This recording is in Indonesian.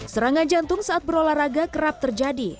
serangan jantung saat berolahraga kerap terjadi